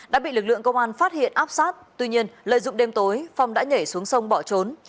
đã bị lực lượng công an phát hiện áp sát tuy nhiên lợi dụng đêm tối phong đã nhảy xuống sông bỏ trốn